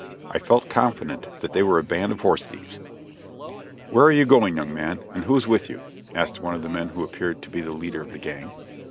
I felt confident that they were a band of horse thieves. "Where are you going, young man; and who's with you?" asked one of the men who appeared to be the leader of the gang.